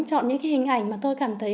chọn những hình ảnh mà tôi cảm thấy